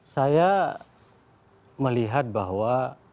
saya melihat bahwa